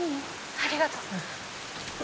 ありがとう。